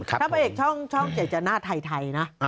ถ้าพระเอกช่อง๗จะหน้าไทยนะ